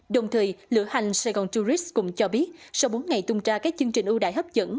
đồng thời lửa hành saigon tourist cũng cho biết sau bốn ngày tung ra các chương trình ưu đại hấp dẫn